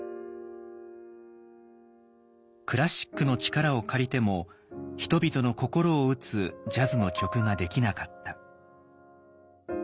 クラシックの力を借りても人々の心を打つジャズの曲ができなかった。